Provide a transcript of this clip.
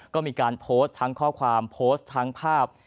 ก็มีการโพสต์ทั้งข้อความโพสต์ทั้งภาพ